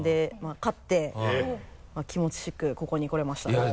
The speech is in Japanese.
勝って気持ちよくここに来れました。